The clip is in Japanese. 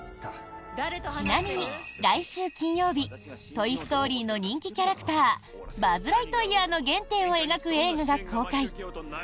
ちなみに、来週金曜日「トイ・ストーリー」の人気キャラクターバズ・ライトイヤーの原点を描く映画が公開。